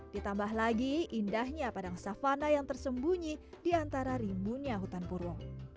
ditambah lagi indahnya padang savana yang tersembunyi di antara rimbunya hutan purwo